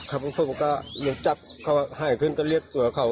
ครับพวกผมก็ยังจับเขาให้เครื่องก็เรียกตัวเขา